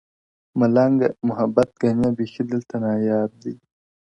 ملنګه ! محبت ګني بېخي دلته ناياب دی؟ -